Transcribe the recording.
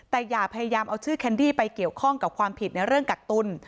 แต่อย่าพยายามเอาชื่อแคนดี้ไปเกี่ยวข้องกับความผิดในเรื่องกักตุ้น